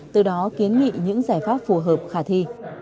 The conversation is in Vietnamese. từ đó kiến nghị những giải pháp phù hợp khả thi